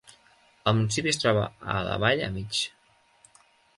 El municipi es troba a la vall a mig.